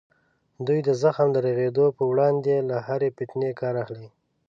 دوی د زخم د رغېدو په وړاندې له هرې فتنې کار اخلي.